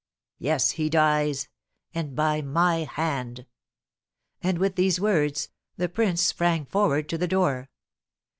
Yes, he dies and by my hand!" And, with these words, the prince sprang forward to the door.